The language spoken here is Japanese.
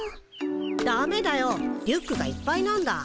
ダメだよリュックがいっぱいなんだ。